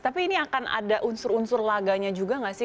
tapi ini akan ada unsur unsur laganya juga nggak sih